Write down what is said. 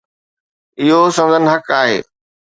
اهو سندن حق آهي.